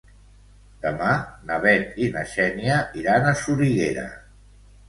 Demà na Bet i na Xènia iran a Soriguera.